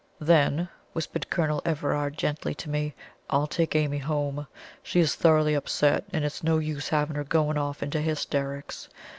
"Then," whispered Colonel Everard gently to me, "I'll take Amy home. She is thoroughly upset, and it's no use having her going off into hysterics.